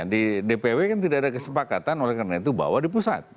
di dpw kan tidak ada kesepakatan oleh karena itu bahwa di pusat